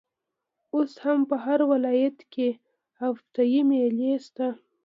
اوس هم په هر ولايت کښي هفته يي مېلې سته.